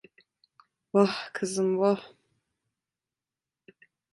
Vah kızım vah…